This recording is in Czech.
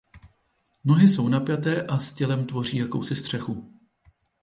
Nohy jsou napjaté a s tělem tvoří jakousi střechu.